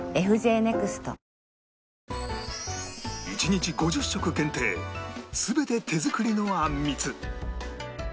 １日５０食限定全て手作りのあんみつ